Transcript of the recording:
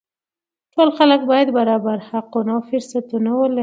ټول خلک باید برابر حقونه او فرصتونه ولري